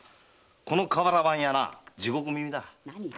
この瓦版屋は地獄耳だ。